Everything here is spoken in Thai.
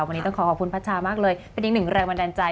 วันนี้ต้องขอขอบคุณพัชชามากเลยเป็นอีกหนึ่งแรงบันดาลใจ